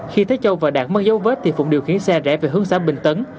khi thế châu và đạt mất dấu vết thì phụng điều khiến xe rẽ về hướng xã bình tấn